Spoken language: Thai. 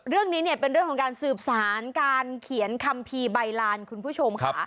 เรื่องนี้เนี่ยเป็นเรื่องของการสืบสารการเขียนคัมภีร์ใบลานคุณผู้ชมค่ะ